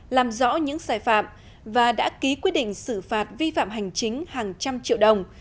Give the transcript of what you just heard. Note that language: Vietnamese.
làm rõ những sai phạm và đã ký quyết định xử phạt vi phạm hành chính hàng trăm triệu đồng